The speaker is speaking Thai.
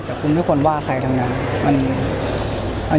แต่คุณไม่ควรว่าใครทำงาน